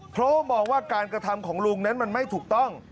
เพราะว่ามองว่าการกระทำของลุงนั้นมันไม่ถูกต้อง